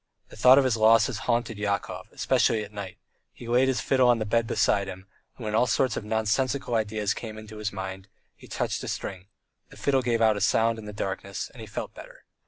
The thought of his losses haunted Yakov, especially at night; he laid his fiddle on the bed beside him, and when all sorts of nonsensical ideas came into his mind he touched a string; the fiddle gave out a sound in the darkness, and he felt better.